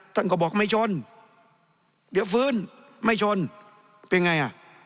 ท่านก็บอกไม่ชนเดี๋ยวฟื้นไม่ชนเป็นไงอ่ะ